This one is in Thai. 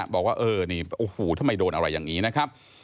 บอกว่าเออนี่โอ้โหทำไมโดนอะไรอย่างนี้นะครับ